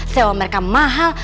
sewa mereka mahal